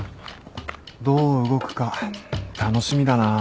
どう動くか楽しみだなぁ。